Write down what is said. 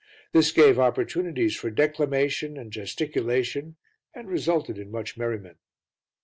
This gave opportunities for declamation and gesticulation and resulted in much merriment.